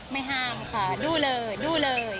ไม่ห้ามค่ะด้วยเลยด้วยเลย